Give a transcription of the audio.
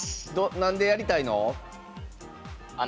なんでやりたいの？